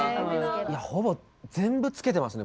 ほぼ全部つけてますね